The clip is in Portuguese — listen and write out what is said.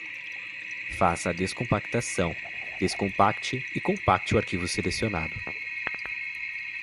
Faça a descompactação, descompacte e compacte o arquivo selecionado